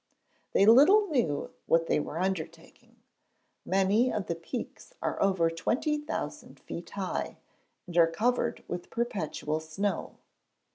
They little knew what they were undertaking. Many of the peaks are over 20,000 feet high, and are covered with perpetual snow.